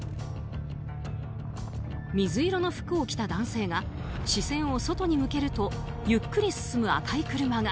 水色の服を着た男性が視線を外に向けるとゆっくり進む赤い車が。